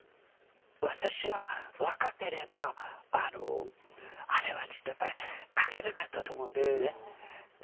私が若ければあれはちょっとやっぱり書けなかったと思うんですね。